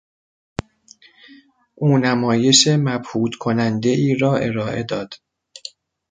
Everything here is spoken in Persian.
او نمایش مبهوت کنندهای را ارائه داد.